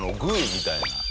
みたいな。